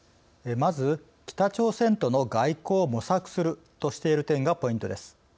まず北朝鮮との外交を模索するとしている点がポイントです。